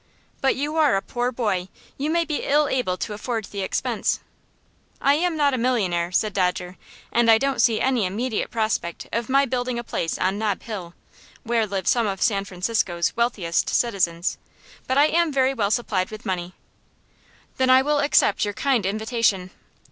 "But you are a poor boy. You may be ill able to afford the expense." "I am not a millionaire," said Dodger, "and I don't see any immediate prospect of my building a palace on Nob Hill" where live some of San Francisco's wealthiest citizens "but I am very well supplied with money." "Then I will accept your kind invitation."